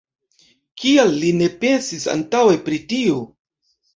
Kial li ne pensis antaŭe pri tio?